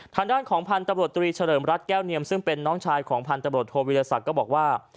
ทางด้านของพันธุ์ตำรวจตรีเฉลิมรัฐแก้วเนียมซึ่งเป็นน้องชายของพันธบรวจโทวิทยาศักดิ์ก็บอกว่า